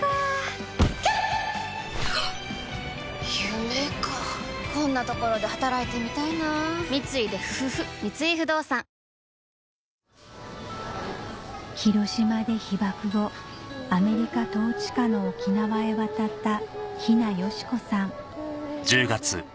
夢かこんなところで働いてみたいな三井不動産広島で被爆後アメリカ統治下の沖縄へ渡った雛世志子さん